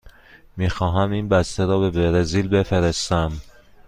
می خواهم این بسته را به برزیل بفرستم.